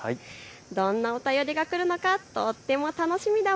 どんなお便りが来るのかとっても楽しみだ